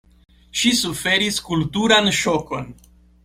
Ŝi suferis kulturan ŝokon.